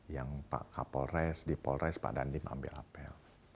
yang pak kapolres di polres pak dandim ambil apel